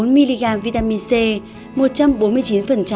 bốn mg vitamin c một trăm bốn mươi chín giá trị hằng ngày